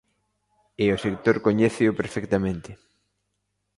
E o sector coñéceo perfectamente.